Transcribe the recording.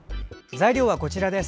材料はこちらです。